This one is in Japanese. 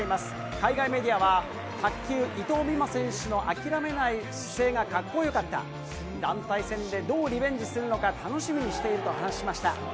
海外メディアは、卓球、伊藤美誠選手の諦めない姿勢がかっこよかった、団体戦でどうリベンジするのか楽しみにしていると話しました。